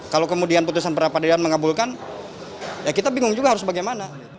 kalau kemudian putusan peradilan mengabulkan ya kita bingung juga harus bagaimana